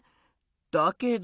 だけど。